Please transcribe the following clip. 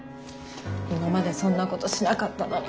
今までそんなことしなかったのに。